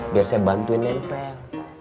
biar saya bantuin nempel